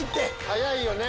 早いよね。